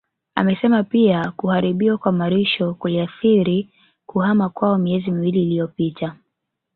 Amesema pia kuharibiwa kwa malisho kuliathiri kuhama kwao miezi miwili iliyopita